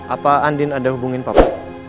apa andin ada hubungin papa